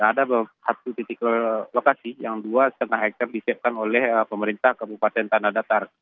ada satu titik lokasi yang dua lima hektare disiapkan oleh pemerintah kabupaten tanah datar